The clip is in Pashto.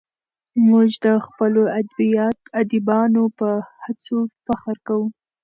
موږ د خپلو ادیبانو په هڅو فخر کوو.